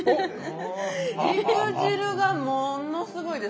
肉汁がものすごいです。